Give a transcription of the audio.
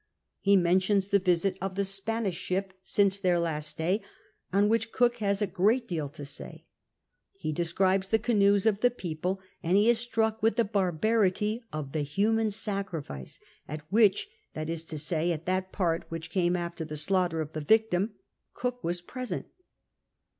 He mentions the visit of the Spanish ship since their last stay, on whicli Cook has a great deal to say ; he describes the canoes of the people, and he is struck Avith the barbarity of the human sacrifico at which — that is to say, at that part Avhich came after the slaughter of the victim — Cook was present.